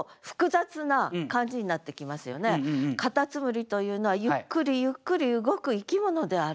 蝸牛というのはゆっくりゆっくり動く生き物であると。